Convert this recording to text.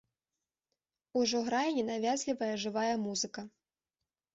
Ужо грае ненавязлівая жывая музыка.